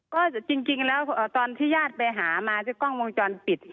ก็จริงแล้วตอนที่ญาติไปหามาที่กล้องวงจรปิด